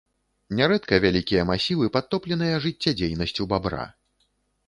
Нярэдка вялікія масівы падтопленыя жыццядзейнасцю бабра.